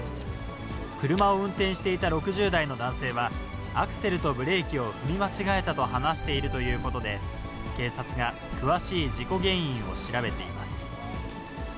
車を運転していた６０代の男性は、アクセルとブレーキを踏み間違えたと話しているということで、警察が詳しい事故原因を調べています。